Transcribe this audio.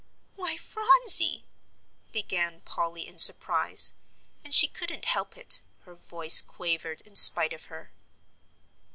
"Why, Phronsie," began Polly in surprise; and she couldn't help it, her voice quavered in spite of her.